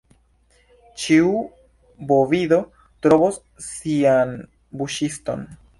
Ĉiu bovido trovos sian buĉiston.